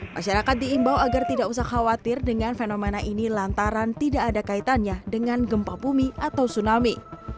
masyarakat diimbau agar tidak usah khawatir dengan fenomena ini lantaran tidak ada kaitannya dengan gempa bumi atau tsunami